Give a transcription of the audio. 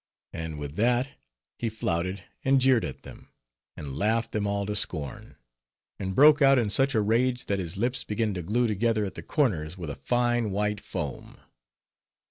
And with that, he flouted, and jeered at them, and laughed them all to scorn; and broke out in such a rage, that his lips began to glue together at the corners with a fine white foam.